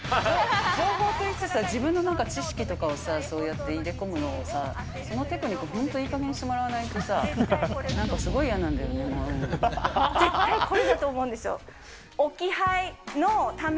情報といいつつさ、自分の知識とかをさ、そうやって入れ込むのをさ、そのテクニック、本当いいかげんにしてもらわないとさ、絶対これだと思うんですよ。